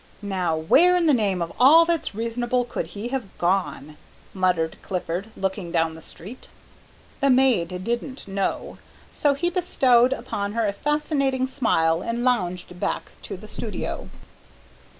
"Now, where in the name of all that's reasonable could he have gone!" muttered Clifford, looking down the street. The maid didn't know, so he bestowed upon her a fascinating smile and lounged back to the studio.